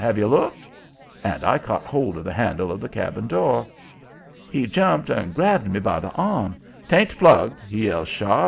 Have you looked?' And I caught hold of the handle of the cabin door. "He jumped and grabbed me by the arm. ''Tain't plugged,' he yells, sharp.